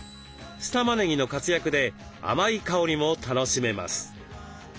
酢たまねぎの活躍で甘い香りも楽しめます。